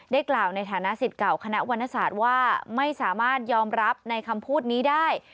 กล่าวในฐานะสิทธิ์เก่าคณะวรรณศาสตร์ว่าไม่สามารถยอมรับในคำพูดนี้ได้